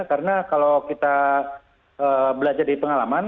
karena kalau kita belajar dari pengalaman